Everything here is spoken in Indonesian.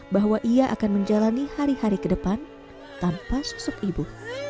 bahwa ia akan menjalani hari hari ke depan tanpa sosok ibu